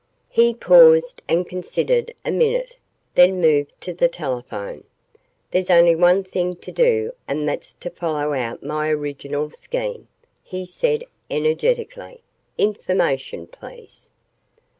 He paused and considered a minute, then moved to the telephone. "There's only one thing to do and that's to follow out my original scheme," he said energetically. "Information, please."